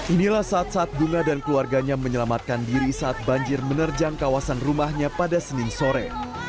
inilah saat saat bunga dan keluarganya menyelamatkan diri saat banjir menerjang kawasan rumahnya pada senin sore